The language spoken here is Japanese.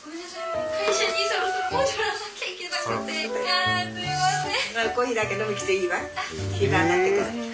ああすいません！